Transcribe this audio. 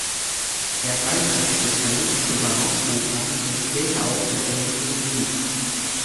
Er galt als Spezialist für Barockopern und später auch für englische Musik.